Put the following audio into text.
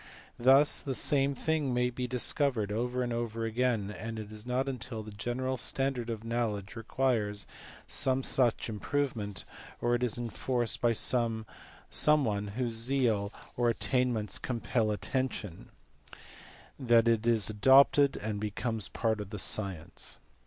Thus the same thing may be discovered over and over again, and it is not until the general standard of knowledge requires some such improvement, or it is enforced by some one whose zeal or JORDANUS. HOLY WOOD. 170 attainments compel attention, that it is adopted and becomes part of the science.